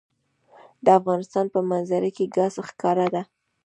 د افغانستان په منظره کې ګاز ښکاره ده.